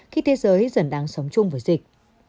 khi thế giới dần đang sống chung với dịch